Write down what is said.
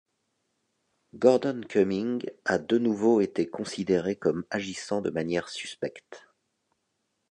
Gordon Cumming a de nouveau été considéré comme agissant de manière suspecte.